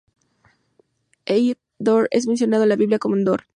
Ein Dor es mencionado en la Biblia como Endor.